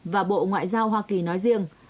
và bộ ngoại giao hoa kỳ nói riêng